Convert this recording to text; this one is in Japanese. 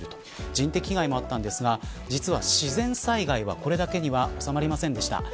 人的被害もありましたが実は、自然災害はこれだけには収まりませんでした。